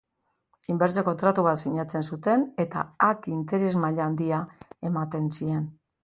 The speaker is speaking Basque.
Inbertsio-kontratu bat sinatzen zuten, eta hark interes-maila handia ematen zien.